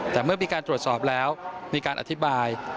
แต่เมื่อมีการตรวจสอบแล้วมีการอธิบาย